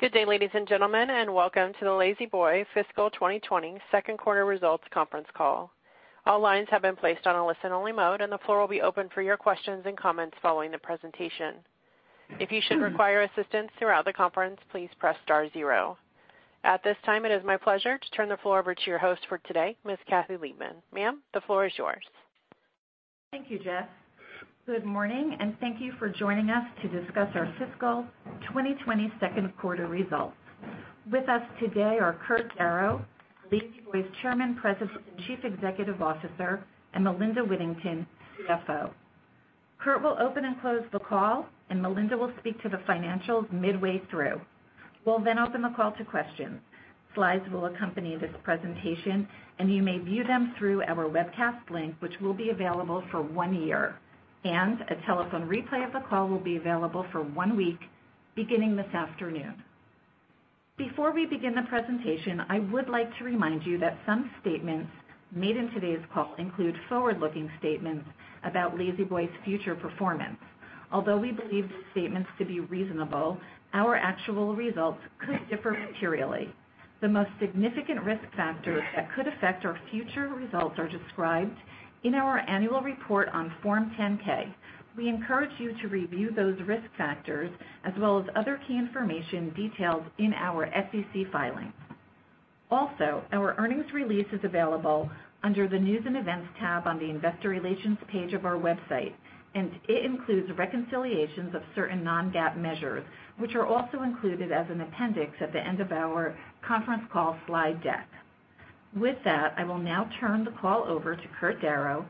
Good day, ladies and gentlemen, welcome to the La-Z-Boy fiscal 2020 second quarter results conference call. All lines have been placed on a listen-only mode, the floor will be open for your questions and comments following the presentation. If you should require assistance throughout the conference, please press star zero. At this time, it is my pleasure to turn the floor over to your host for today, Ms. Kathy Liebmann. Ma'am, the floor is yours. Thank you, Jess. Good morning, thank you for joining us to discuss our fiscal 2020 second quarter results. With us today are Kurt Darrow, La-Z-Boy's Chairman, President, and Chief Executive Officer, and Melinda Whittington, CFO. Kurt will open and close the call, and Melinda will speak to the financials midway through. We'll open the call to questions. Slides will accompany this presentation, and you may view them through our webcast link, which will be available for one year. A telephone replay of the call will be available for one week beginning this afternoon. Before we begin the presentation, I would like to remind you that some statements made in today's call include forward-looking statements about La-Z-Boy's future performance. Although we believe these statements to be reasonable, our actual results could differ materially. The most significant risk factors that could affect our future results are described in our annual report on Form 10-K. We encourage you to review those risk factors as well as other key information detailed in our SEC filings. Also, our earnings release is available under the News & Events tab on the Investor Relations page of our website, and it includes reconciliations of certain non-GAAP measures, which are also included as an appendix at the end of our conference call slide deck. With that, I will now turn the call over to Kurt Darrow,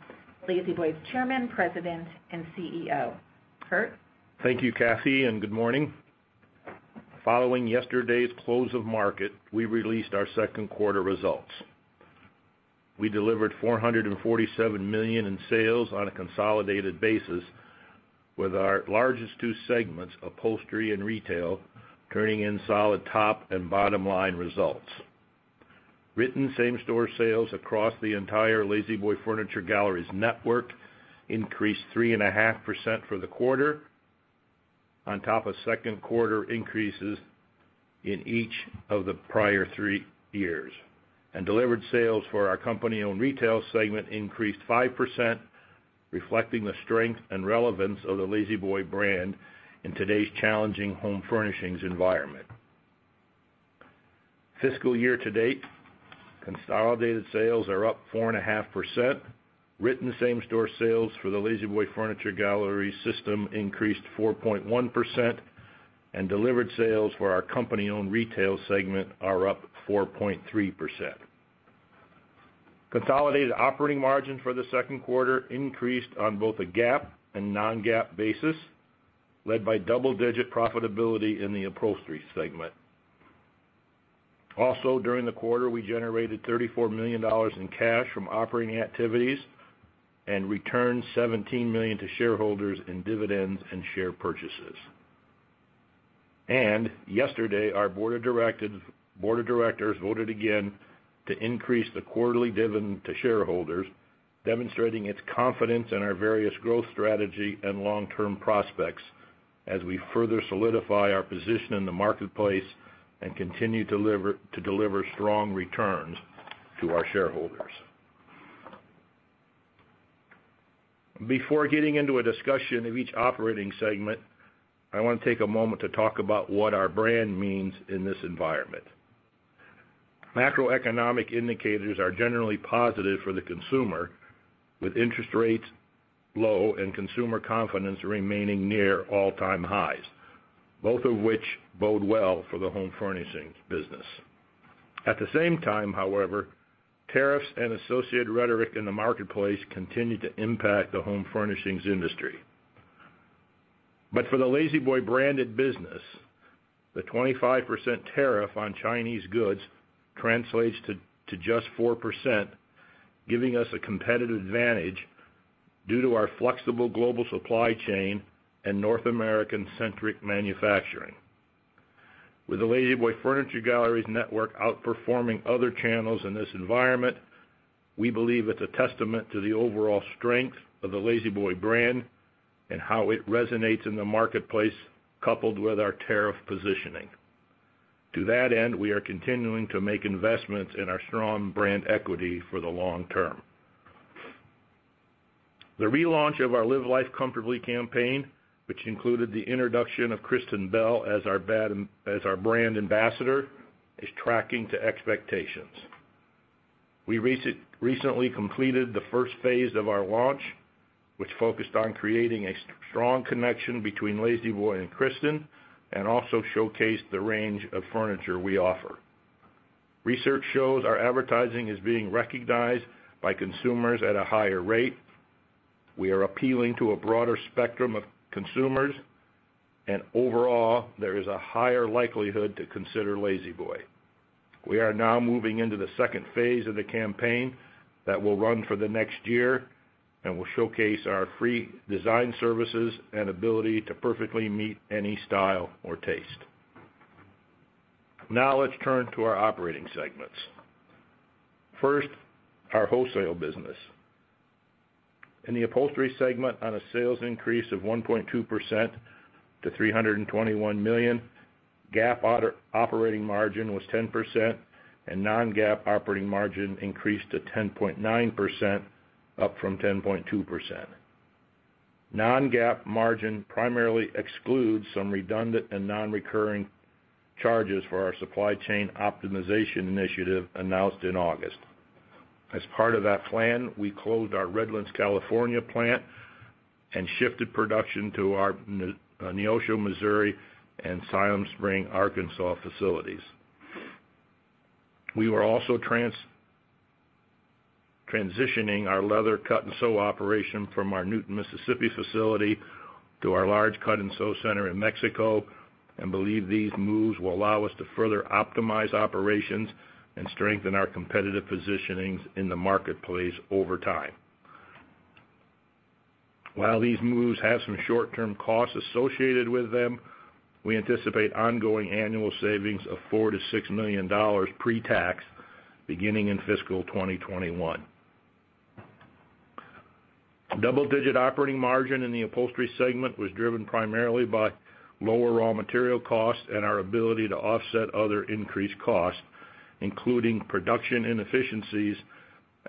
La-Z-Boy's Chairman, President, and CEO. Kurt? Thank you, Kathy, and good morning. Following yesterday's close of market, we released our second quarter results. We delivered $447 million in sales on a consolidated basis with our largest two segments, upholstery and retail, turning in solid top and bottom-line results. Written same-store sales across the entire La-Z-Boy Furniture Galleries network increased 3.5% for the quarter on top of second quarter increases in each of the prior three years. Delivered sales for our company-owned retail segment increased 5%, reflecting the strength and relevance of the La-Z-Boy brand in today's challenging home furnishings environment. Fiscal year to date, consolidated sales are up 4.5%. Written same-store sales for the La-Z-Boy Furniture Galleries system increased 4.1%, and delivered sales for our company-owned retail segment are up 4.3%. Consolidated operating margin for the second quarter increased on both a GAAP and non-GAAP basis, led by double-digit profitability in the upholstery segment. Also, during the quarter, we generated $34 million in cash from operating activities and returned $17 million to shareholders in dividends and share purchases. Yesterday, our board of directors voted again to increase the quarterly dividend to shareholders, demonstrating its confidence in our various growth strategy and long-term prospects as we further solidify our position in the marketplace and continue to deliver strong returns to our shareholders. Before getting into a discussion of each operating segment, I want to take a moment to talk about what our brand means in this environment. Macroeconomic indicators are generally positive for the consumer, with interest rates low and consumer confidence remaining near all-time highs, both of which bode well for the home furnishings business. At the same time, however, tariffs and associated rhetoric in the marketplace continue to impact the home furnishings industry. For the La-Z-Boy branded business, the 25% tariff on Chinese goods translates to just 4%, giving us a competitive advantage due to our flexible global supply chain and North American-centric manufacturing. With the La-Z-Boy Furniture Galleries network outperforming other channels in this environment, we believe it's a testament to the overall strength of the La-Z-Boy brand and how it resonates in the marketplace, coupled with our tariff positioning. To that end, we are continuing to make investments in our strong brand equity for the long term. The relaunch of our Live Life Comfortably campaign, which included the introduction of Kristen Bell as our brand ambassador, is tracking to expectations. We recently completed the first phase of our launch, which focused on creating a strong connection between La-Z-Boy and Kristen and also showcased the range of furniture we offer. Research shows our advertising is being recognized by consumers at a higher rate. We are appealing to a broader spectrum of consumers. Overall, there is a higher likelihood to consider La-Z-Boy. We are now moving into the second phase of the campaign that will run for the next year and will showcase our free design services and ability to perfectly meet any style or taste. Let's turn to our operating segments. First, our wholesale business. In the upholstery segment on a sales increase of 1.2% to $321 million, GAAP operating margin was 10%. Non-GAAP operating margin increased to 10.9%, up from 10.2%. Non-GAAP margin primarily excludes some redundant and non-recurring charges for our Supply Chain Optimization Initiative announced in August. As part of that plan, we closed our Redlands, California plant and shifted production to our Neosho, Missouri, and Siloam Springs, Arkansas facilities. We were also transitioning our leather cut-and-sew operation from our Newton, Mississippi facility to our large cut-and-sew center in Mexico and believe these moves will allow us to further optimize operations and strengthen our competitive positionings in the marketplace over time. While these moves have some short-term costs associated with them, we anticipate ongoing annual savings of $4 million-$6 million pre-tax beginning in fiscal 2021. Double-digit operating margin in the upholstery segment was driven primarily by lower raw material costs and our ability to offset other increased costs, including production inefficiencies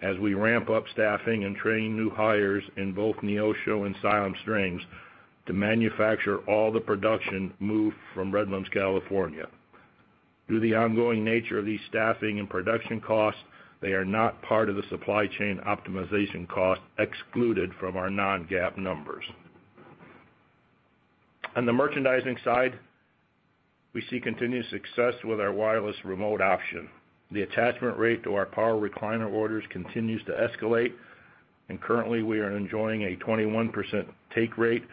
as we ramp up staffing and train new hires in both Neosho and Siloam Springs to manufacture all the production moved from Redlands, California. Due to the ongoing nature of these staffing and production costs, they are not part of the supply chain optimization cost excluded from our non-GAAP numbers. On the merchandising side, we see continued success with our wireless remote option. The attachment rate to our power recliner orders continues to escalate, and currently, we are enjoying a 21% take rate,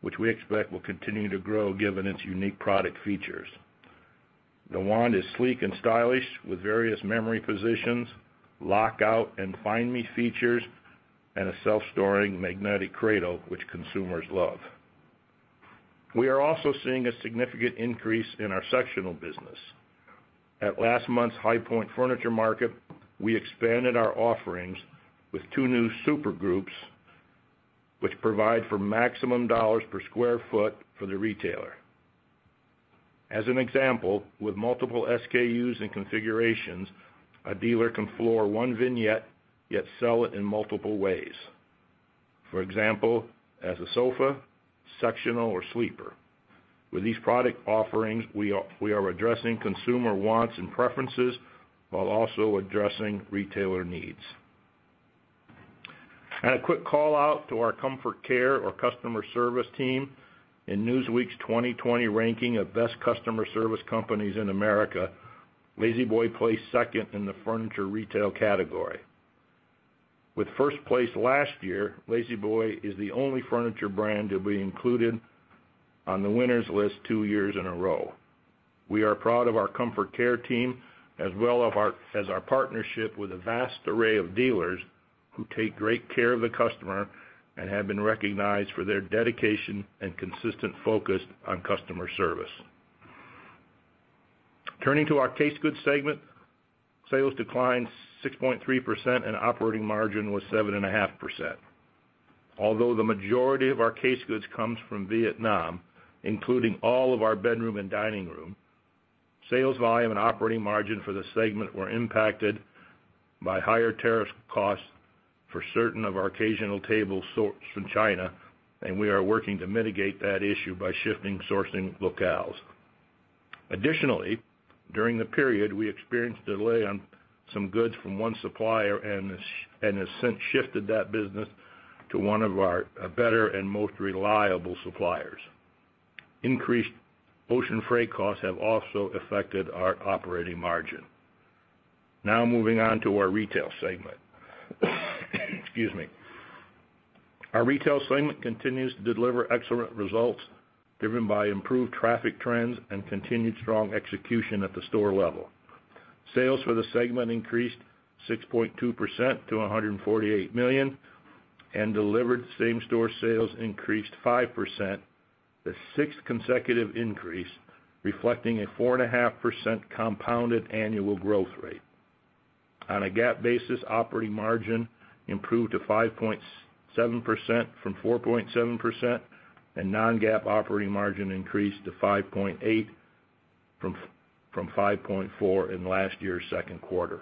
which we expect will continue to grow given its unique product features. The wand is sleek and stylish with various memory positions, lock out and find me features, and a self-storing magnetic cradle which consumers love. We are also seeing a significant increase in our sectional business. At last month's High Point Market, we expanded our offerings with two new super groups, which provide for maximum dollars per square foot for the retailer. As an example, with multiple SKUs and configurations, a dealer can floor one vignette, yet sell it in multiple ways. For example, as a sofa, sectional, or sleeper. With these product offerings, we are addressing consumer wants and preferences while also addressing retailer needs. A quick call-out to our Comfort Care or customer service team in Newsweek's 2020 ranking of Best Customer Service companies in America, La-Z-Boy placed second in the furniture retail category. With first place last year, La-Z-Boy is the only furniture brand to be included on the winners list two years in a row. We are proud of our Comfort Care team as our partnership with a vast array of dealers who take great care of the customer and have been recognized for their dedication and consistent focus on customer service. Turning to our case goods segment, sales declined 6.3% and operating margin was 7.5%. Although the majority of our case goods comes from Vietnam, including all of our bedroom and dining room, sales volume and operating margin for the segment were impacted by higher tariff costs for certain of our occasional table sourced from China. We are working to mitigate that issue by shifting sourcing locales. Additionally, during the period, we experienced a delay on some goods from one supplier and have since shifted that business to one of our better and most reliable suppliers. Increased ocean freight costs have also affected our operating margin. Moving on to our retail segment. Excuse me. Our retail segment continues to deliver excellent results, driven by improved traffic trends and continued strong execution at the store level. Sales for the segment increased 6.2% to $148 million. Delivered same-store sales increased 5%, the sixth consecutive increase, reflecting a 4.5% compounded annual growth rate. On a GAAP basis, operating margin improved to 5.7% from 4.7%, non-GAAP operating margin increased to 5.8% from 5.4% in last year's second quarter.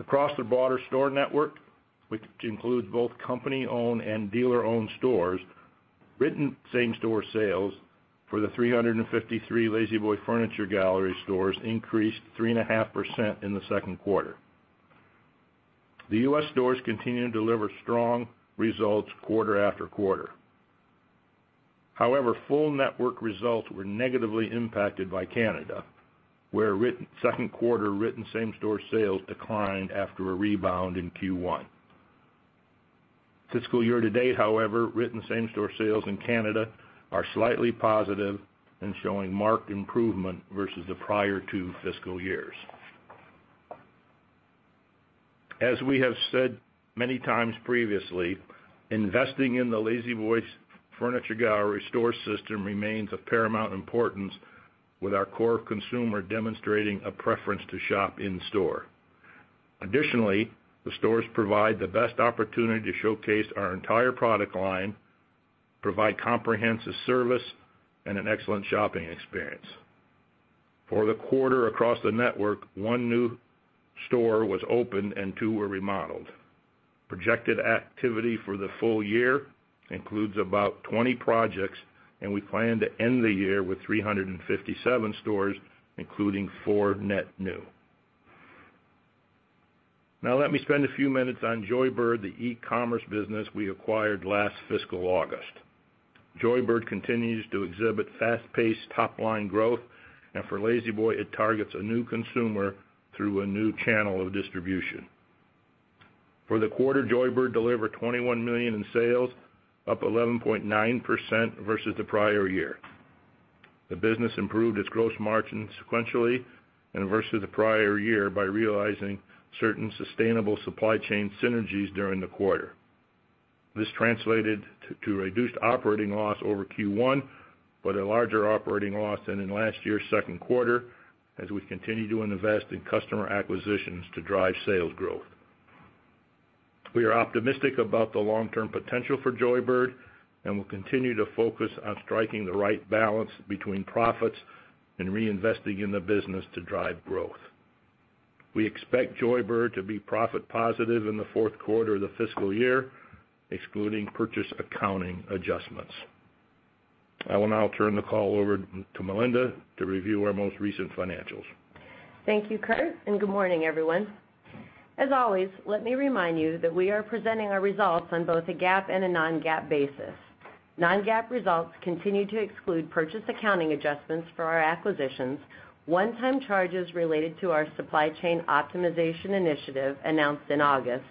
Across the broader store network, which includes both company-owned and dealer-owned stores, written same-store sales for the 353 La-Z-Boy Furniture Galleries stores increased 3.5% in the second quarter. The U.S. stores continue to deliver strong results quarter after quarter. Full network results were negatively impacted by Canada, where second quarter written same-store sales declined after a rebound in Q1. Fiscal year to date, however, written same-store sales in Canada are slightly positive and showing marked improvement versus the prior two fiscal years. As we have said many times previously, investing in the La-Z-Boy's Furniture Galleries store system remains of paramount importance. With our core consumer demonstrating a preference to shop in store. Additionally, the stores provide the best opportunity to showcase our entire product line, provide comprehensive service, and an excellent shopping experience. For the quarter across the network, one new store was opened and two were remodeled. Projected activity for the full year includes about 20 projects, and we plan to end the year with 357 stores, including four net new. Now let me spend a few minutes on Joybird, the e-commerce business we acquired last fiscal August. Joybird continues to exhibit fast-paced top-line growth, and for La-Z-Boy, it targets a new consumer through a new channel of distribution. For the quarter, Joybird delivered $21 million in sales, up 11.9% versus the prior year. The business improved its gross margin sequentially and versus the prior year by realizing certain sustainable supply chain synergies during the quarter. This translated to reduced operating loss over Q1, but a larger operating loss than in last year's second quarter, as we continue to invest in customer acquisitions to drive sales growth. We are optimistic about the long-term potential for Joybird, and will continue to focus on striking the right balance between profits and reinvesting in the business to drive growth. We expect Joybird to be profit positive in the fourth quarter of the fiscal year, excluding purchase accounting adjustments. I will now turn the call over to Melinda to review our most recent financials. Thank you, Kurt, and good morning, everyone. As always, let me remind you that we are presenting our results on both a GAAP and a non-GAAP basis. Non-GAAP results continue to exclude purchase accounting adjustments for our acquisitions, one-time charges related to our supply chain optimization initiative announced in August,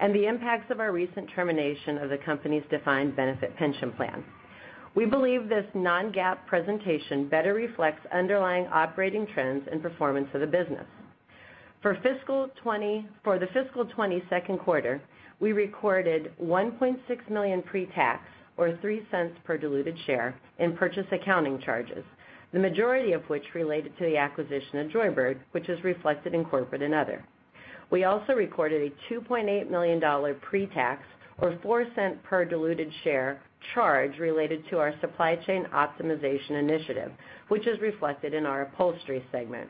and the impacts of our recent termination of the company's defined benefit pension plan. We believe this non-GAAP presentation better reflects underlying operating trends and performance of the business. For the fiscal 22nd quarter, we recorded $1.6 million pre-tax, or $0.03 per diluted share in purchase accounting charges, the majority of which related to the acquisition of Joybird, which is reflected in corporate and other. We also recorded a $2.8 million pre-tax, or $0.04 per diluted share charge related to our supply chain optimization initiative, which is reflected in our Upholstery segment.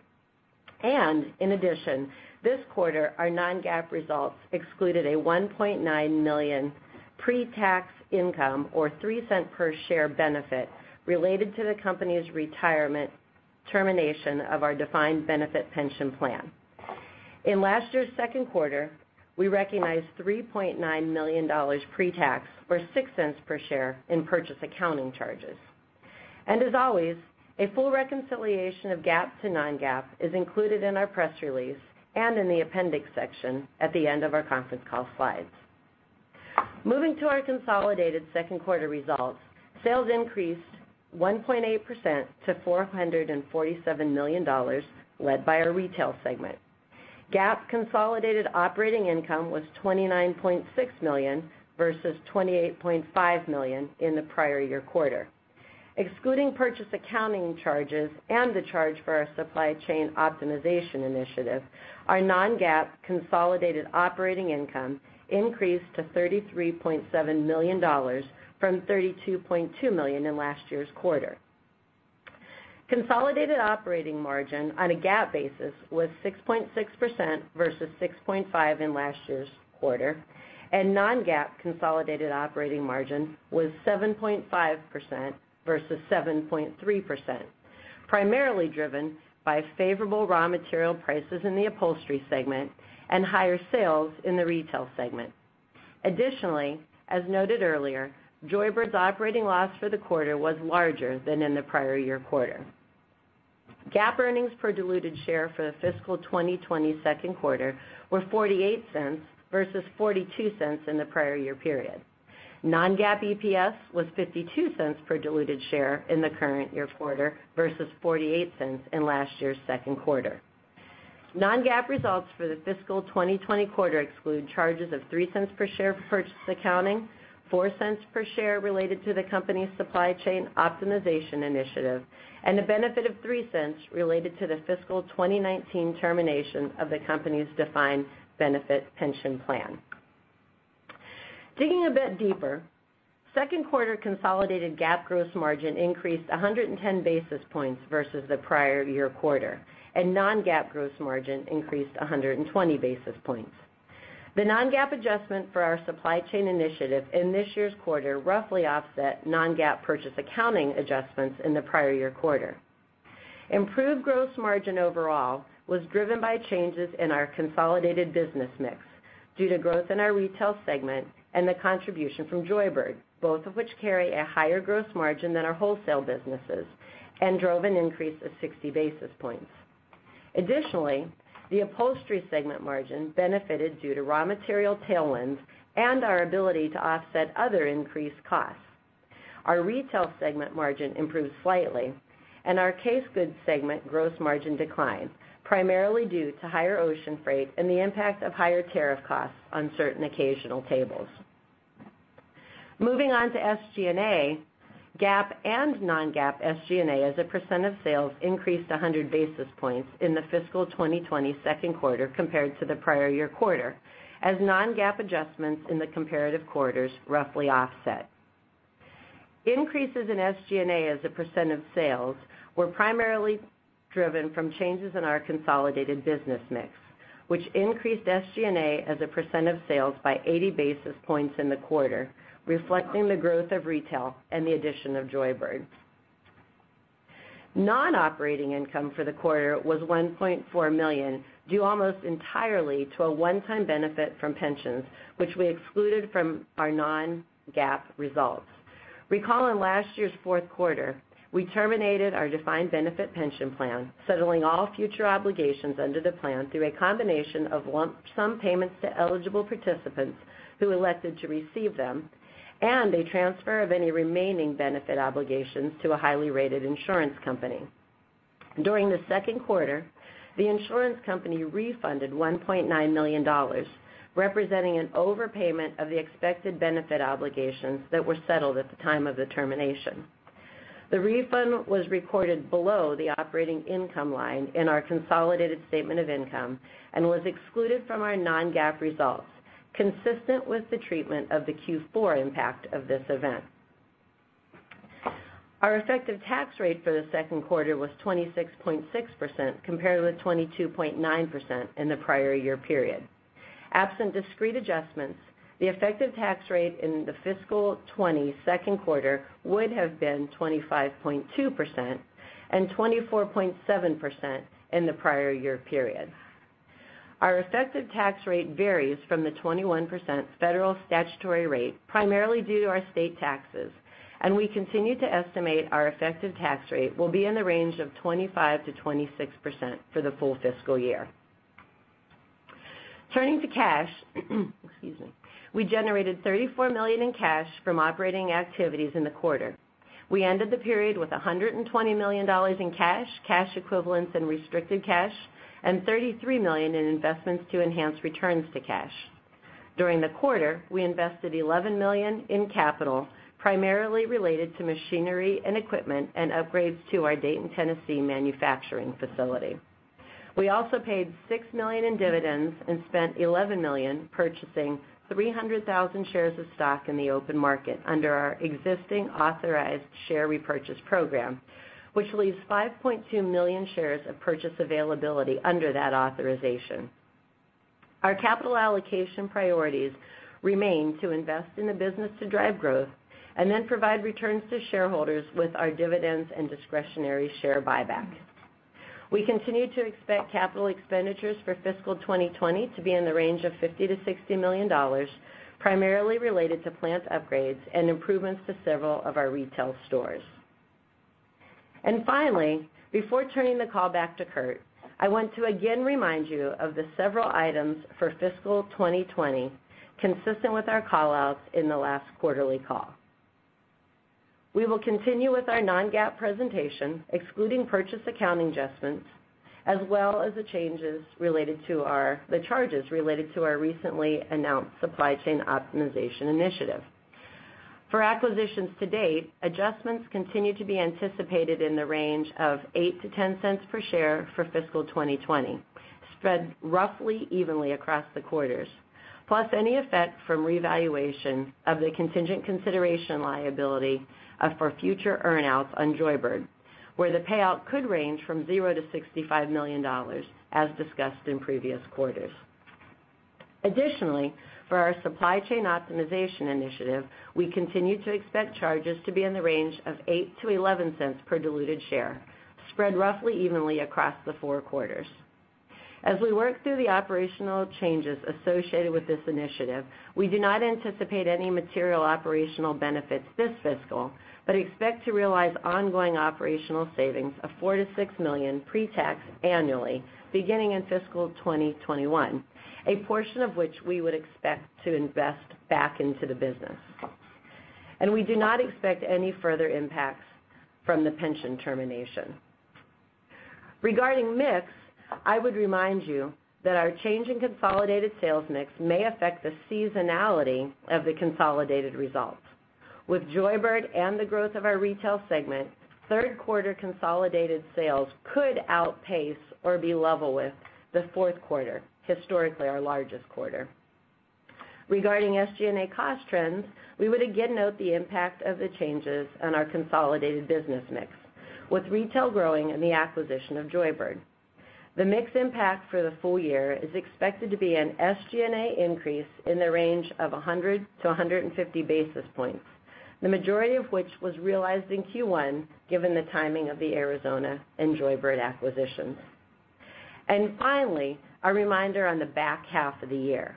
In addition, this quarter, our non-GAAP results excluded a $1.9 million pre-tax income or $0.03 per share benefit related to the company's retirement termination of our defined benefit pension plan. In last year's second quarter, we recognized $3.9 million pre-tax, or $0.06 per share in purchase accounting charges. As always, a full reconciliation of GAAP to non-GAAP is included in our press release and in the appendix section at the end of our conference call slides. Moving to our consolidated second quarter results, sales increased 1.8% to $447 million, led by our Retail segment. GAAP consolidated operating income was $29.6 million versus $28.5 million in the prior year quarter. Excluding purchase accounting charges and the charge for our supply chain optimization initiative, our non-GAAP consolidated operating income increased to $33.7 million from $32.2 million in last year's quarter. Consolidated operating margin on a GAAP basis was 6.6% versus 6.5% in last year's quarter. Non-GAAP consolidated operating margin was 7.5% versus 7.3%, primarily driven by favorable raw material prices in the Upholstery Segment and higher sales in the Retail Segment. Additionally, as noted earlier, Joybird's operating loss for the quarter was larger than in the prior year quarter. GAAP earnings per diluted share for the fiscal 2020 second quarter were $0.48 versus $0.42 in the prior year period. Non-GAAP EPS was $0.52 per diluted share in the current year quarter versus $0.48 in last year's second quarter. non-GAAP results for the fiscal 2020 quarter exclude charges of $0.03 per share for purchase accounting, $0.04 per share related to the company's supply chain optimization initiative, and a benefit of $0.03 related to the fiscal 2019 termination of the company's defined benefit pension plan. Digging a bit deeper, second quarter consolidated GAAP gross margin increased 110 basis points versus the prior year quarter, and non-GAAP gross margin increased 120 basis points. The non-GAAP adjustment for our supply chain initiative in this year's quarter roughly offset non-GAAP purchase accounting adjustments in the prior year quarter. Improved gross margin overall was driven by changes in our consolidated business mix due to growth in our Retail Segment and the contribution from Joybird, both of which carry a higher gross margin than our wholesale businesses and drove an increase of 60 basis points. Additionally, the Upholstery segment margin benefited due to raw material tailwinds and our ability to offset other increased costs. Our Retail segment margin improved slightly and our Casegood segment gross margin declined, primarily due to higher ocean freight and the impact of higher tariff costs on certain occasional tables. Moving on to SG&A, GAAP and non-GAAP SG&A as a percent of sales increased 100 basis points in the fiscal 2020 second quarter compared to the prior year quarter, as non-GAAP adjustments in the comparative quarters roughly offset. Increases in SG&A as a percent of sales were primarily driven from changes in our consolidated business mix, which increased SG&A as a percent of sales by 80 basis points in the quarter, reflecting the growth of retail and the addition of Joybird. Non-operating income for the quarter was $1.4 million, due almost entirely to a one-time benefit from pensions, which we excluded from our non-GAAP results. Recall in last year's fourth quarter, we terminated our defined benefit pension plan, settling all future obligations under the plan through a combination of lump sum payments to eligible participants who elected to receive them, and a transfer of any remaining benefit obligations to a highly rated insurance company. During the second quarter, the insurance company refunded $1.9 million, representing an overpayment of the expected benefit obligations that were settled at the time of the termination. The refund was recorded below the operating income line in our consolidated statement of income and was excluded from our non-GAAP results, consistent with the treatment of the Q4 impact of this event. Our effective tax rate for the second quarter was 26.6%, compared with 22.9% in the prior year period. Absent discrete adjustments, the effective tax rate in the fiscal 2020 second quarter would have been 25.2% and 24.7% in the prior year period. Our effective tax rate varies from the 21% federal statutory rate, primarily due to our state taxes, and we continue to estimate our effective tax rate will be in the range of 25%-26% for the full fiscal year. Turning to cash, we generated $34 million in cash from operating activities in the quarter. We ended the period with $120 million in cash equivalents, and restricted cash, and $33 million in investments to enhance returns to cash. During the quarter, we invested $11 million in capital, primarily related to machinery and equipment and upgrades to our Dayton, Tennessee, manufacturing facility. We also paid $6 million in dividends and spent $11 million purchasing 300,000 shares of stock in the open market under our existing authorized share repurchase program, which leaves 5.2 million shares of purchase availability under that authorization. Our capital allocation priorities remain to invest in the business to drive growth and then provide returns to shareholders with our dividends and discretionary share buyback. We continue to expect capital expenditures for fiscal 2020 to be in the range of $50 million-$60 million, primarily related to plant upgrades and improvements to several of our retail stores. Finally, before turning the call back to Kurt, I want to again remind you of the several items for fiscal 2020, consistent with our call-outs in the last quarterly call. We will continue with our non-GAAP presentation, excluding purchase accounting adjustments, as well as the charges related to our recently announced supply chain optimization initiative. For acquisitions to date, adjustments continue to be anticipated in the range of $0.08-$0.10 per share for fiscal 2020, spread roughly evenly across the quarters. Plus any effect from revaluation of the contingent consideration liability for future earn-outs on Joybird, where the payout could range from $0-$65 million, as discussed in previous quarters. Additionally, for our supply chain optimization initiative, we continue to expect charges to be in the range of $0.08-$0.11 per diluted share, spread roughly evenly across the four quarters. As we work through the operational changes associated with this initiative, we do not anticipate any material operational benefits this fiscal, but expect to realize ongoing operational savings of $4 million-$6 million pre-tax annually beginning in fiscal 2021, a portion of which we would expect to invest back into the business. We do not expect any further impacts from the pension termination. Regarding mix, I would remind you that our change in consolidated sales mix may affect the seasonality of the consolidated results. With Joybird and the growth of our retail segment, third quarter consolidated sales could outpace or be level with the fourth quarter, historically our largest quarter. Regarding SG&A cost trends, we would again note the impact of the changes on our consolidated business mix, with retail growing and the acquisition of Joybird. The mix impact for the full year is expected to be an SG&A increase in the range of 100-150 basis points, the majority of which was realized in Q1 given the timing of the Arizona and Joybird acquisitions. Finally, a reminder on the back half of the year.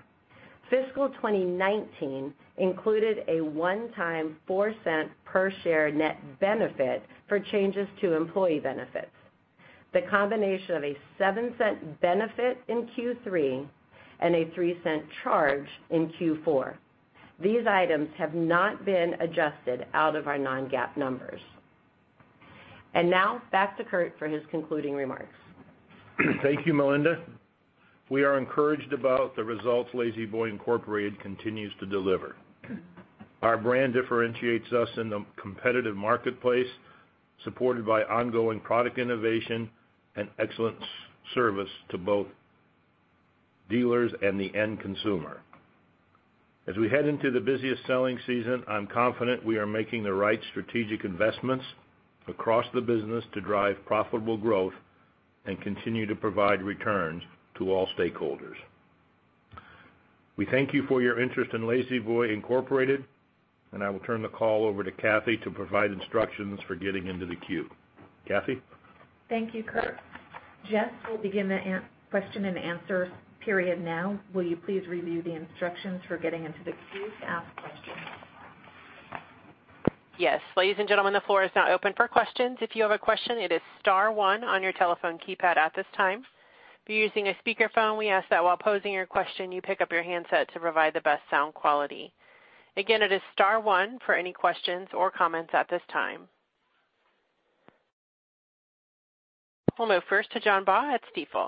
Fiscal 2019 included a one-time $0.04 per share net benefit for changes to employee benefits. The combination of a $0.07 benefit in Q3 and a $0.03 charge in Q4. These items have not been adjusted out of our non-GAAP numbers. Now back to Kurt for his concluding remarks. Thank you, Melinda. We are encouraged about the results La-Z-Boy Incorporated continues to deliver. Our brand differentiates us in the competitive marketplace, supported by ongoing product innovation and excellent service to both dealers and the end consumer. As we head into the busiest selling season, I'm confident we are making the right strategic investments across the business to drive profitable growth and continue to provide returns to all stakeholders. We thank you for your interest in La-Z-Boy Incorporated, and I will turn the call over to Kathy to provide instructions for getting into the queue. Kathy? Thank you, Kurt. Jess will begin the question and answer period now. Will you please review the instructions for getting into the queue to ask questions? Yes. Ladies and gentlemen, the floor is now open for questions. If you have a question, it is star one on your telephone keypad at this time. If you're using a speakerphone, we ask that while posing your question, you pick up your handset to provide the best sound quality. Again, it is star one for any questions or comments at this time. We'll move first to John Baugh at Stifel.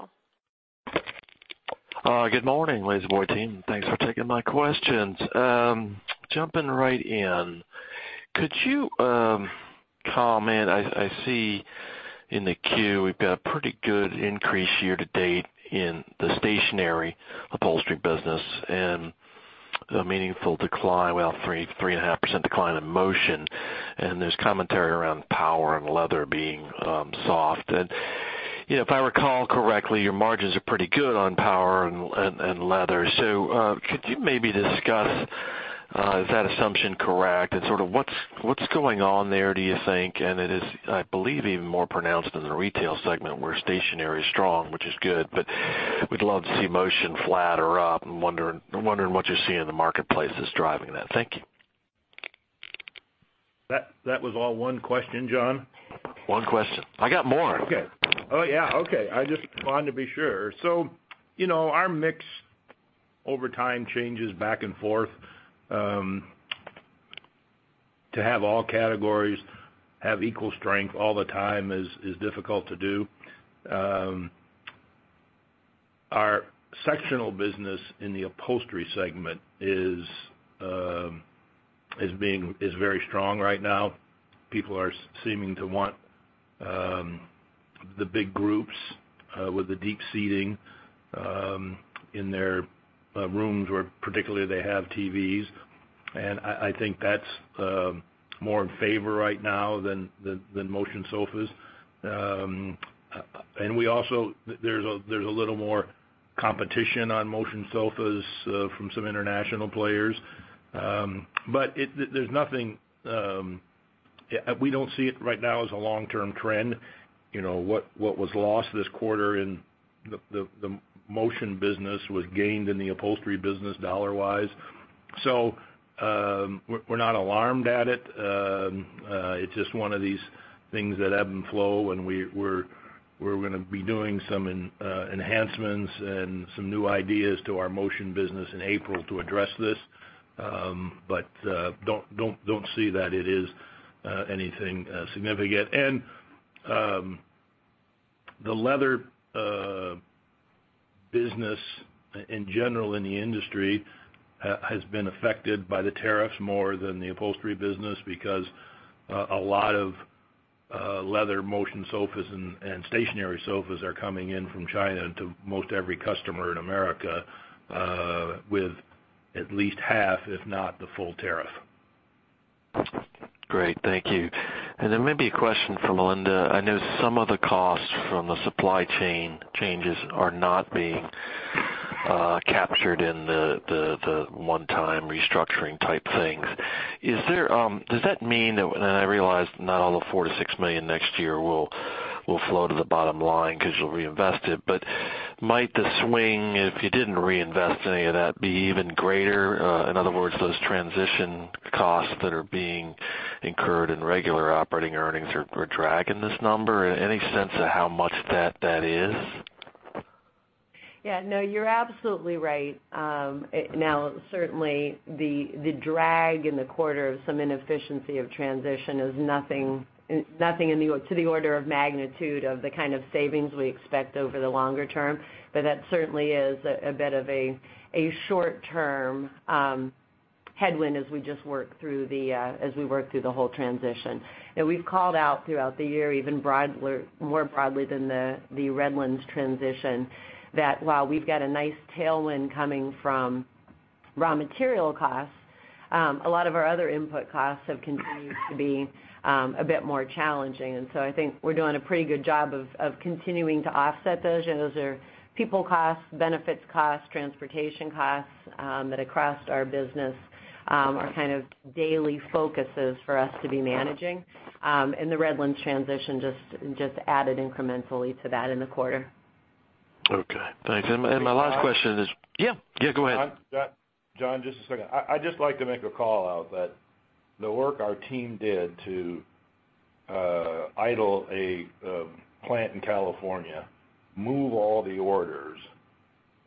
Good morning, La-Z-Boy team. Thanks for taking my questions. Jumping right in, could you comment, I see in the queue we've got a pretty good increase year to date in the stationary upholstery business and a meaningful decline, well, 3.5% decline in motion. There's commentary around power and leather being soft. If I recall correctly, your margins are pretty good on power and leather. Could you maybe discuss, is that assumption correct? Sort of what's going on there, do you think? It is, I believe, even more pronounced in the retail segment where stationary is strong, which is good, but we'd love to see motion flat or up and wondering what you see in the marketplace that's driving that. Thank you. That was all one question, John? One question. I got more. Okay. Oh, yeah. Okay. I just wanted to be sure. Our mix over time changes back and forth. To have all categories have equal strength all the time is difficult to do. Our sectional business in the upholstery segment is very strong right now. People are seeming to want the big groups with the deep seating in their rooms where particularly they have TVs. I think that's more in favor right now than motion sofas. There's a little more competition on motion sofas from some international players. We don't see it right now as a long-term trend. What was lost this quarter in the motion business was gained in the upholstery business dollar-wise. We're not alarmed at it. It's just one of these things that ebb and flow, and we're going to be doing some enhancements and some new ideas to our motion business in April to address this. Don't see that it is anything significant. The leather business in general in the industry has been affected by the tariffs more than the upholstery business because a lot of leather motion sofas and stationary sofas are coming in from China to most every customer in America with at least half, if not the full tariff. Great. Thank you. Then maybe a question for Melinda. I know some of the costs from the supply chain changes are not being captured in the one-time restructuring type things. Does that mean that I realize not all the $4 million-$6 million next year will flow to the bottom line because you'll reinvest it, but might the swing, if you didn't reinvest any of that, be even greater? In other words, those transition costs that are being incurred in regular operating earnings are dragging this number? Any sense of how much that is? Yeah, no, you're absolutely right. Certainly the drag in the quarter of some inefficiency of transition is nothing to the order of magnitude of the kind of savings we expect over the longer term. That certainly is a bit of a short-term headwind as we work through the whole transition. We've called out throughout the year even more broadly than the Redlands transition that while we've got a nice tailwind coming from raw material costs, a lot of our other input costs have continued to be a bit more challenging. I think we're doing a pretty good job of continuing to offset those. Those are people costs, benefits costs, transportation costs, that across our business are kind of daily focuses for us to be managing. The Redlands transition just added incrementally to that in the quarter. Okay, thanks. My last question is. John? Yeah. Yeah, go ahead. John, just a second. I'd just like to make a call out that the work our team did to idle a plant in California, move all the orders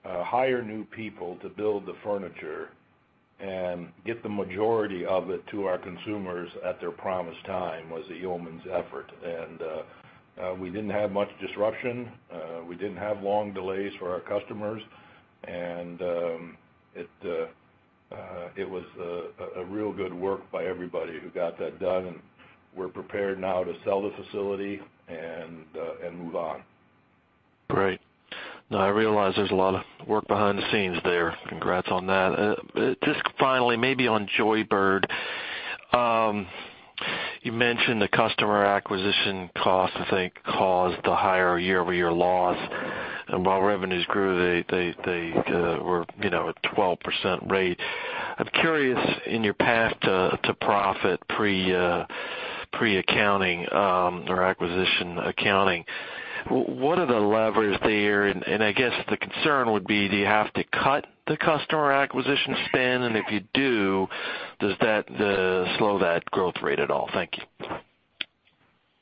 hire new people to build the furniture and get the majority of it to our consumers at their promised time was a yeoman's effort. We didn't have much disruption. We didn't have long delays for our customers, and it was a real good work by everybody who got that done, and we're prepared now to sell the facility and move on. Great. No, I realize there's a lot of work behind the scenes there. Congrats on that. Just finally, maybe on Joybird. You mentioned the customer acquisition cost, I think, caused the higher year-over-year loss. While revenues grew, they were at 12% rate. I'm curious, in your path to profit pre-accounting or acquisition accounting, what are the levers there? I guess the concern would be, do you have to cut the customer acquisition spend? If you do, does that slow that growth rate at all? Thank you.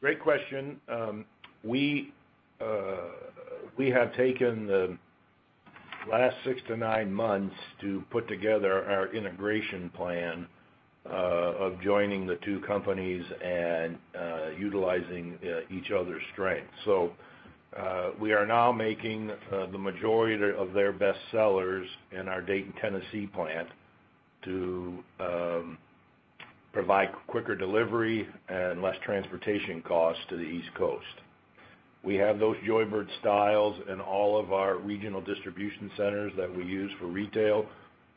Great question. We have taken the last six to nine months to put together our integration plan of joining the two companies and utilizing each other's strengths. We are now making the majority of their best sellers in our Dayton, Tennessee, plant to provide quicker delivery and less transportation costs to the East Coast. We have those Joybird styles in all of our regional distribution centers that we use for retail.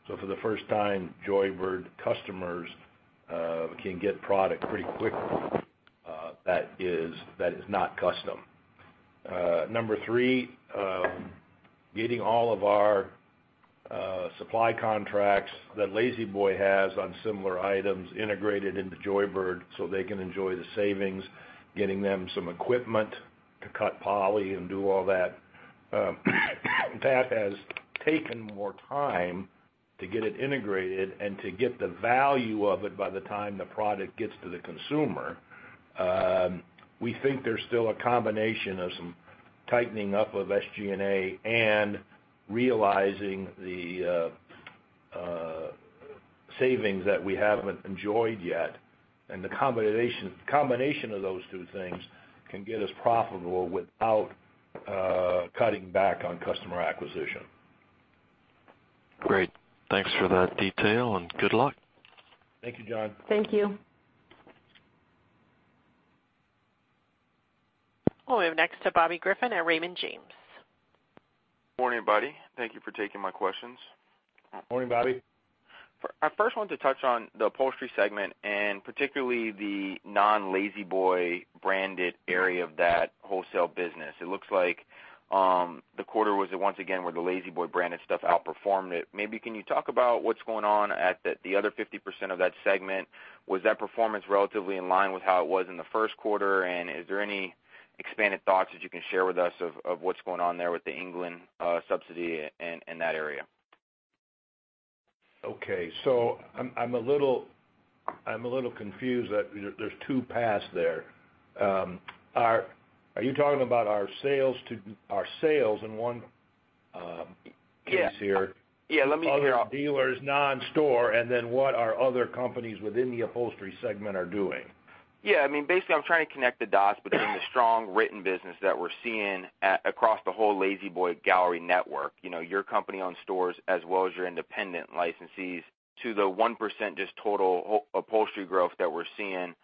For the first time, Joybird customers can get product pretty quickly that is not custom. Number three, getting all of our supply contracts that La-Z-Boy has on similar items integrated into Joybird so they can enjoy the savings, getting them some equipment to cut poly and do all that. That has taken more time to get it integrated and to get the value of it by the time the product gets to the consumer. We think there's still a combination of some tightening up of SG&A and realizing the savings that we haven't enjoyed yet. The combination of those two things can get us profitable without cutting back on customer acquisition. Great. Thanks for that detail, and good luck. Thank you, John. Thank you. We'll move next to Bobby Griffin at Raymond James. Morning, everybody. Thank you for taking my questions. Morning, Bobby. I first want to touch on the upholstery segment, and particularly the non La-Z-Boy branded area of that wholesale business. It looks like the quarter was once again where the La-Z-Boy branded stuff outperformed it. Maybe can you talk about what's going on at the other 50% of that segment? Was that performance relatively in line with how it was in the first quarter? Is there any expanded thoughts that you can share with us of what's going on there with the England subsidiary and that area? Okay. I'm a little confused that there's two paths there. Are you talking about our sales in one case here? Yeah. other dealers non store, and then what our other companies within the upholstery segment are doing? Yeah. Basically, I'm trying to connect the dots between the strong written business that we're seeing across the whole La-Z-Boy gallery network. Your company owned stores as well as your independent licensees to the 1% just total upholstery growth that we're seeing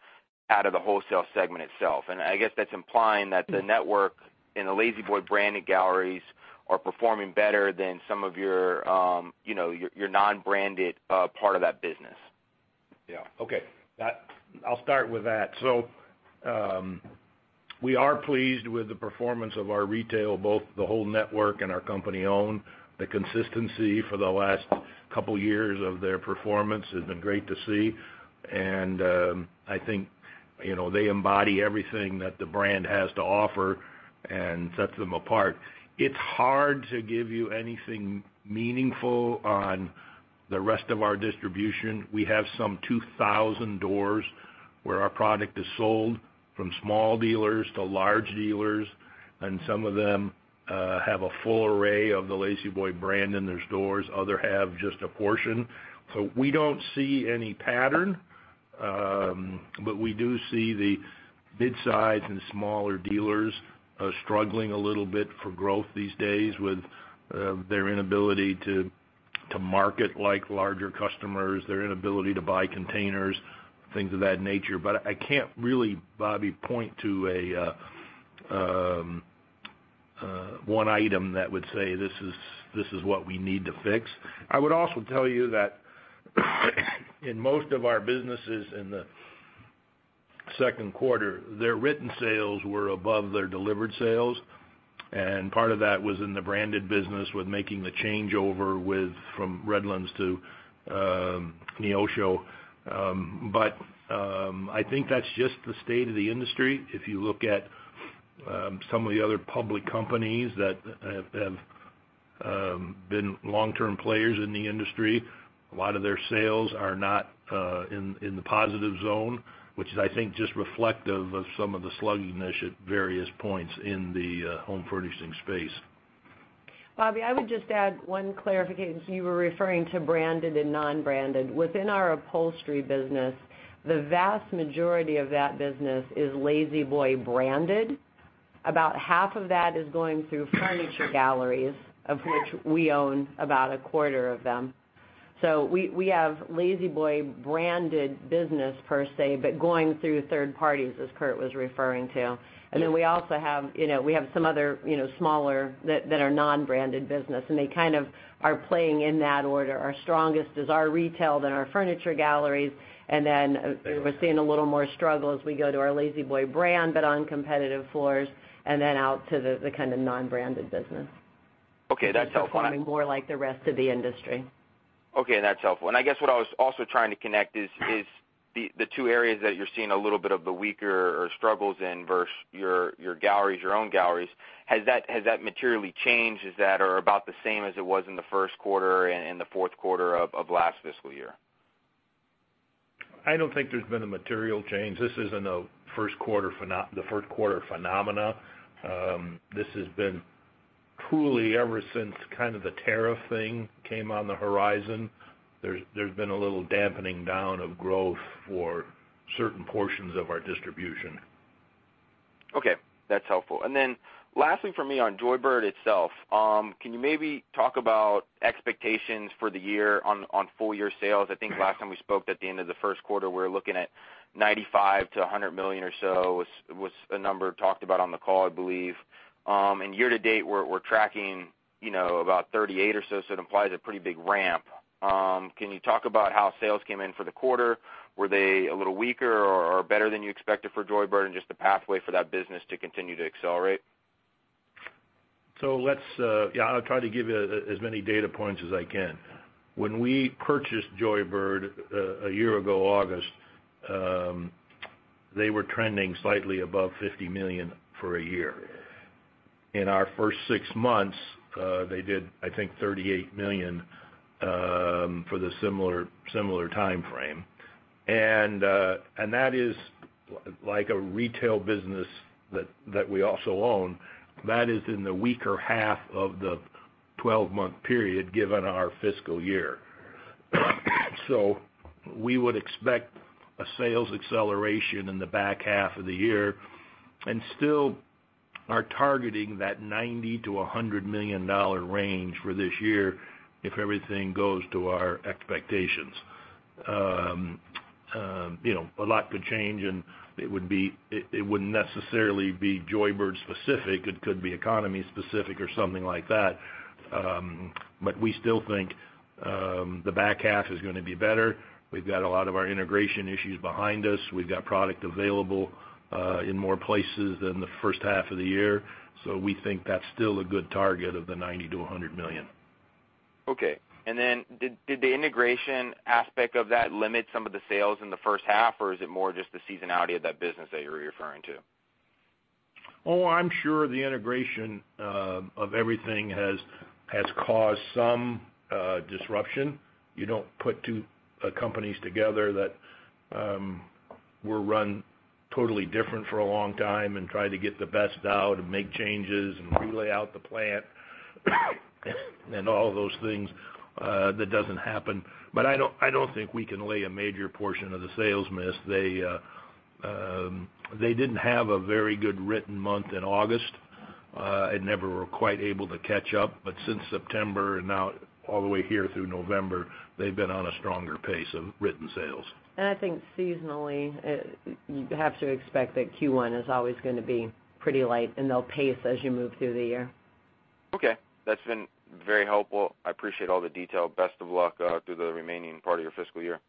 out of the wholesale segment itself. I guess that's implying that the network in the La-Z-Boy branded galleries are performing better than some of your non-branded part of that business. Yeah. Okay. I'll start with that. We are pleased with the performance of our retail, both the whole network and our company owned. The consistency for the last couple years of their performance has been great to see, and I think they embody everything that the brand has to offer and sets them apart. It's hard to give you anything meaningful on the rest of our distribution. We have some 2,000 doors where our product is sold from small dealers to large dealers, and some of them have a full array of the La-Z-Boy brand in their stores. Others have just a portion. We don't see any pattern, but we do see the mid-size and smaller dealers are struggling a little bit for growth these days with their inability to market like larger customers, their inability to buy containers, things of that nature. I can't really, Bobby, point to one item that would say, "This is what we need to fix." I would also tell you that in most of our businesses in the second quarter, their written sales were above their delivered sales, and part of that was in the branded business with making the changeover from Redlands to Neosho. I think that's just the state of the industry. If you look at some of the other public companies that have been long-term players in the industry. A lot of their sales are not in the positive zone, which is, I think, just reflective of some of the sluggishness at various points in the home furnishings space. Bobby, I would just add one clarification because you were referring to branded and non-branded. Within our upholstery business, the vast majority of that business is La-Z-Boy branded. About half of that is going through furniture galleries, of which we own about a quarter of them. We have La-Z-Boy branded business per se, but going through third parties, as Kurt was referring to. We also have some other smaller that are non-branded business, and they kind of are playing in that order. Our strongest is our retail, then our furniture galleries, and then we're seeing a little more struggle as we go to our La-Z-Boy brand, but on competitive floors, and then out to the kind of non-branded business. Okay, that's helpful. Performing more like the rest of the industry. Okay, that's helpful. I guess what I was also trying to connect is the two areas that you're seeing a little bit of the weaker or struggles in versus your own galleries. Has that materially changed? Is that or about the same as it was in the first quarter and in the fourth quarter of last fiscal year? I don't think there's been a material change. This isn't the first quarter phenomena. This has been truly ever since kind of the tariff thing came on the horizon. There's been a little dampening down of growth for certain portions of our distribution. Okay, that's helpful. Lastly from me on Joybird itself, can you maybe talk about expectations for the year on full-year sales? I think last time we spoke at the end of the first quarter, we were looking at $95 million-$100 million or so was the number talked about on the call, I believe. Year to date, we're tracking about 38 or so. It implies a pretty big ramp. Can you talk about how sales came in for the quarter? Were they a little weaker or better than you expected for Joybird and just the pathway for that business to continue to accelerate? Yeah, I'll try to give you as many data points as I can. When we purchased Joybird a year ago August, they were trending slightly above $50 million for a year. In our first six months, they did, I think, $38 million for the similar timeframe. That is like a retail business that we also own. That is in the weaker half of the 12-month period, given our fiscal year. We would expect a sales acceleration in the back half of the year and still are targeting that $90 million-$100 million range for this year if everything goes to our expectations. A lot could change and it wouldn't necessarily be Joybird specific. It could be economy specific or something like that. We still think the back half is going to be better. We've got a lot of our integration issues behind us. We've got product available in more places than the first half of the year. We think that's still a good target of the $90 million-$100 million. Okay. Then did the integration aspect of that limit some of the sales in the first half or is it more just the seasonality of that business that you're referring to? I'm sure the integration of everything has caused some disruption. You don't put two companies together that were run totally different for a long time and try to get the best out and make changes and relay out the plant and all those things. That doesn't happen. I don't think we can lay a major portion of the sales miss. They didn't have a very good written month in August and never were quite able to catch up. Since September and now all the way here through November, they've been on a stronger pace of written sales. I think seasonally, you have to expect that Q1 is always going to be pretty light and they'll pace as you move through the year. Okay. That's been very helpful. I appreciate all the detail. Best of luck through the remaining part of your fiscal year.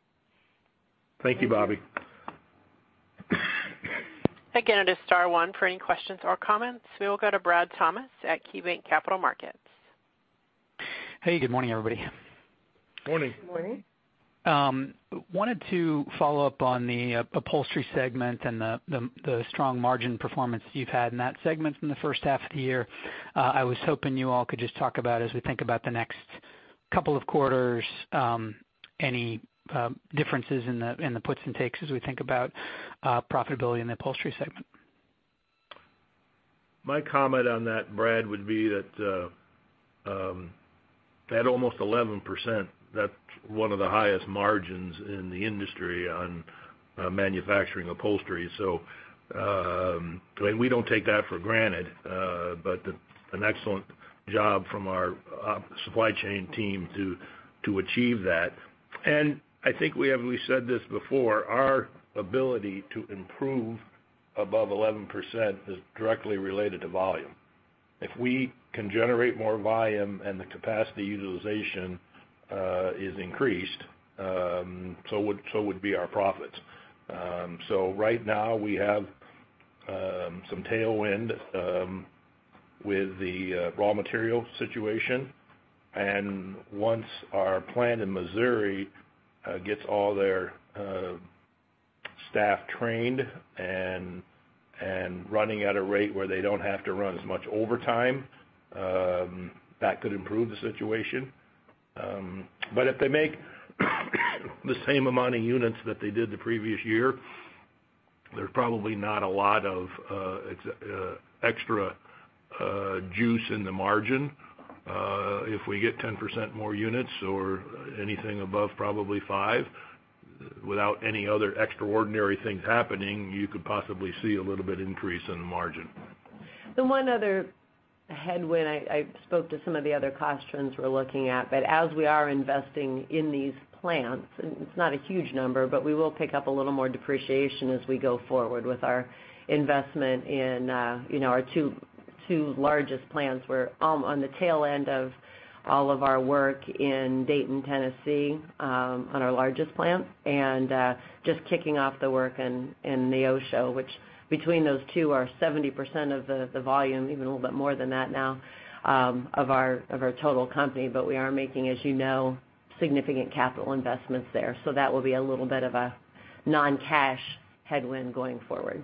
Thank you, Bobby. Thank you. Again, it is star one for any questions or comments. We will go to Brad Thomas at KeyBanc Capital Markets. Hey, good morning, everybody. Morning. Good morning. Wanted to follow up on the upholstery segment and the strong margin performance that you've had in that segment in the first half of the year. I was hoping you all could just talk about as we think about the next couple of quarters, any differences in the puts and takes as we think about profitability in the upholstery segment. My comment on that, Brad, would be that almost 11%, that's one of the highest margins in the industry on manufacturing upholstery. We don't take that for granted. An excellent job from our supply chain team to achieve that. I think we said this before, our ability to improve above 11% is directly related to volume. If we can generate more volume and the capacity utilization is increased, so would be our profits. Right now we have some tailwind with the raw material situation. Once our plant in Missouri gets all their staff trained and running at a rate where they don't have to run as much overtime. That could improve the situation. If they make the same amount of units that they did the previous year, there's probably not a lot of extra juice in the margin. If we get 10% more units or anything above probably 5%, without any other extraordinary things happening, you could possibly see a little bit increase in the margin. The one other headwind, I spoke to some of the other cost trends we're looking at, as we are investing in these plants, it's not a huge number, but we will pick up a little more depreciation as we go forward with our investment in our two largest plants. We're on the tail end of all of our work in Dayton, Tennessee, on our largest plant, and just kicking off the work in Neosho, which between those two are 70% of the volume, even a little bit more than that now of our total company. We are making, as you know, significant capital investments there. That will be a little bit of a non-cash headwind going forward.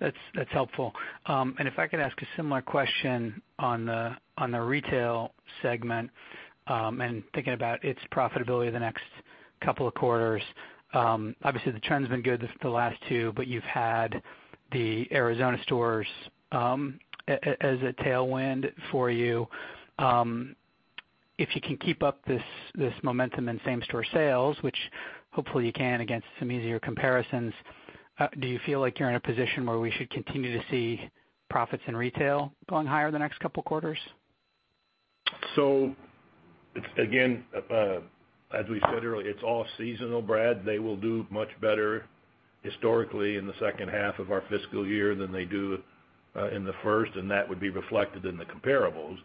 That's helpful. If I could ask a similar question on the retail segment, and thinking about its profitability the next couple of quarters. Obviously, the trend's been good the last two, but you've had the Arizona stores as a tailwind for you. If you can keep up this momentum in same-store sales, which hopefully you can against some easier comparisons, do you feel like you're in a position where we should continue to see profits in retail going higher the next couple quarters? Again, as we said earlier, it's all seasonal, Brad. They will do much better historically in the second half of our fiscal year than they do in the first, and that would be reflected in the comparables.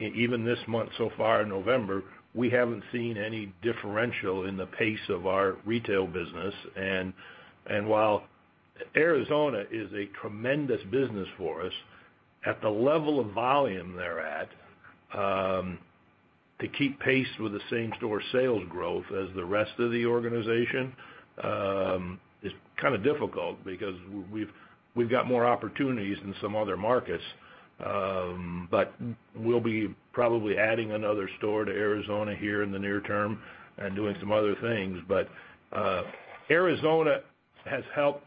Even this month so far in November, we haven't seen any differential in the pace of our retail business. While Arizona is a tremendous business for us, at the level of volume they're at, to keep pace with the same store sales growth as the rest of the organization is kind of difficult because we've got more opportunities in some other markets. We'll be probably adding another store to Arizona here in the near term and doing some other things. Arizona has helped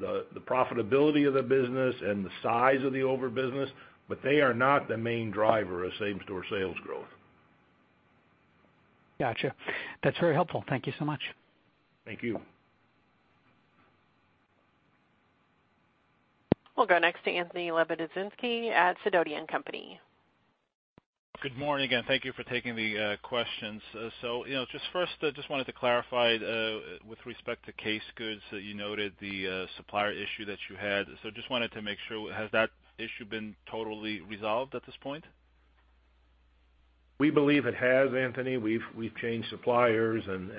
the profitability of the business and the size of the over business, but they are not the main driver of same-store sales growth. Got you. That's very helpful. Thank you so much. Thank you. We'll go next to Anthony Lebiedzinski at Sidoti & Company. Good morning again. Thank you for taking the questions. First, I just wanted to clarify, with respect to case goods, you noted the supplier issue that you had. I just wanted to make sure, has that issue been totally resolved at this point? We believe it has, Anthony. We've changed suppliers and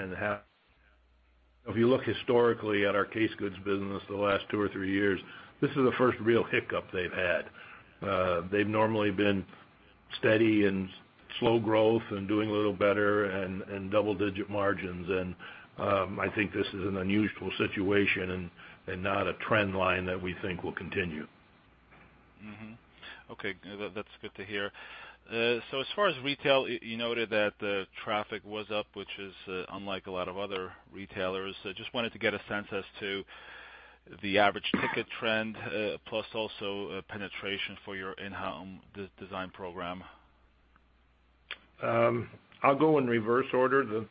if you look historically at our case goods business the last two or three years, this is the first real hiccup they've had. They've normally been steady and slow growth and doing a little better and double-digit margins. I think this is an unusual situation and not a trend line that we think will continue. Okay, that's good to hear. As far as retail, you noted that the traffic was up, which is unlike a lot of other retailers. I just wanted to get a sense as to the average ticket trend, plus also penetration for your in-home design program. I'll go in reverse order.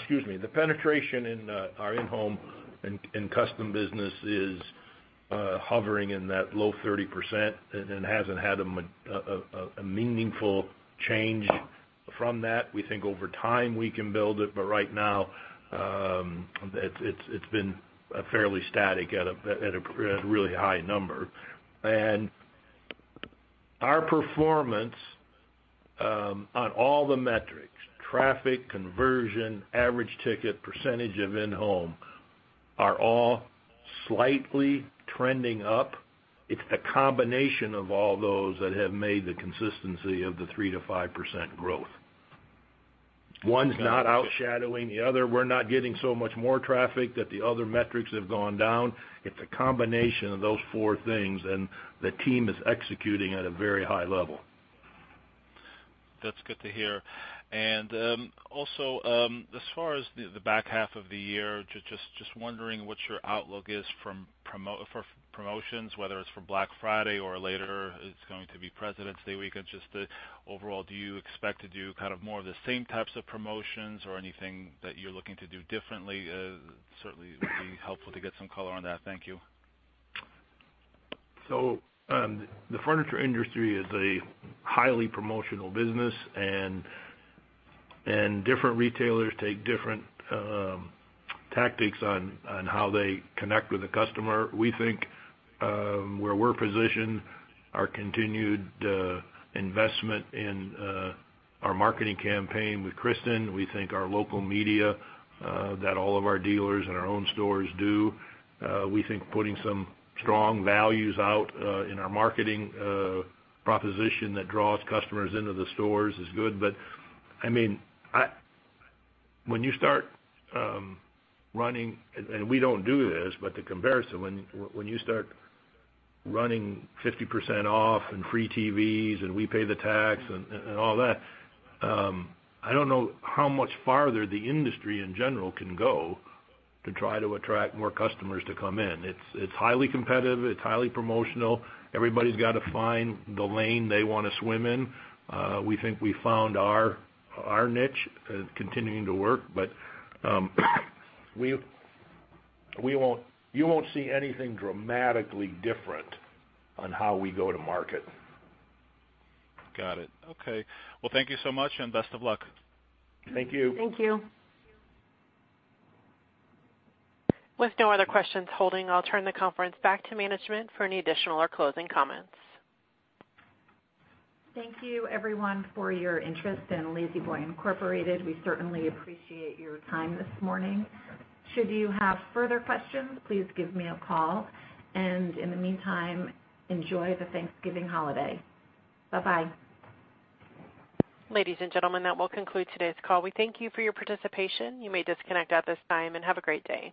Excuse me. The penetration in our in-home and custom business is hovering in that low 30% and hasn't had a meaningful change from that. We think over time we can build it, but right now, it's been fairly static at a really high number. Our performance on all the metrics, traffic, conversion, average ticket, percentage of in-home, are all slightly trending up. It's a combination of all those that have made the consistency of the 3%-5% growth. One's not overshadowing the other. We're not getting so much more traffic that the other metrics have gone down. It's a combination of those four things, and the team is executing at a very high level. That's good to hear. As far as the back half of the year, just wondering what your outlook is for promotions, whether it's for Black Friday or later it's going to be Presidents' Day weekend. Just overall, do you expect to do kind of more of the same types of promotions or anything that you're looking to do differently? Certainly would be helpful to get some color on that. Thank you. The furniture industry is a highly promotional business, and different retailers take different tactics on how they connect with the customer. We think where we're positioned, our continued investment in our marketing campaign with Kristen, we think our local media that all of our dealers and our own stores do, we think putting some strong values out in our marketing proposition that draws customers into the stores is good. When you start running, and we don't do this, but the comparison, when you start running 50% off and free TVs and we pay the tax and all that, I don't know how much farther the industry in general can go to try to attract more customers to come in. It's highly competitive. It's highly promotional. Everybody's got to find the lane they want to swim in. We think we found our niche continuing to work, but you won't see anything dramatically different on how we go to market. Got it. Okay. Well, thank you so much and best of luck. Thank you. Thank you. With no other questions holding, I'll turn the conference back to management for any additional or closing comments. Thank you everyone for your interest in La-Z-Boy Incorporated. We certainly appreciate your time this morning. Should you have further questions, please give me a call. In the meantime, enjoy the Thanksgiving holiday. Bye-bye. Ladies and gentlemen, that will conclude today's call. We thank you for your participation. You may disconnect at this time, and have a great day.